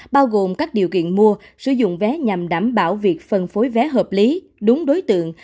bao gồm các điều kiện mua sử dụng vé nhằm đảm bảo việc phân phối vé hợp lý đúng đối tượng